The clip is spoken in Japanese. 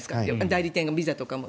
代理店がビザとかも。